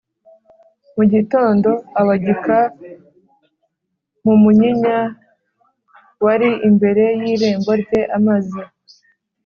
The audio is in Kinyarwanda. Mu gitondo awagika mu munyinya wari imbere y’irembo rye. Amaze